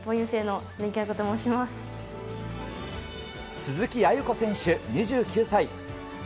鈴木亜由子選手、２９歳。